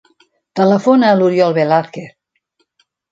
Telefona a l'Oriol Velazquez.